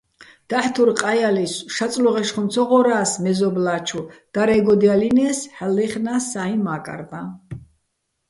დაჰ̦ თურ ყაჲალისო̆, შაწლუღეშ ხუმ ცო ღორა́ს მეზობლა́ჩუ, დარე́გოდჲალინეს, ჰ̦ალო̆ ლაჲხნას საიჼ მაკარტაჼ.